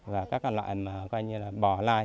và các loại bò lai